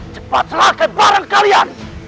cepat serahkan barang kalian